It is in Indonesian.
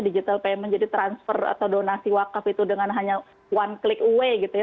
digital payment jadi transfer atau donasi wakaf itu dengan hanya one click away gitu ya